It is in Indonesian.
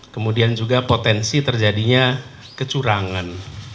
kemudian juga potensi terjadinya kecurangan